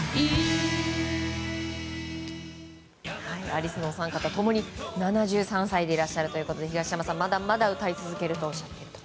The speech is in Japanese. アリスのお三方共に７３歳でいらっしゃるということで東山さん、まだまだ歌い続けるとおっしゃっていると。